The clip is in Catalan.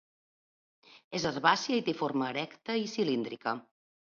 És herbàcia i té forma erecta i cilíndrica.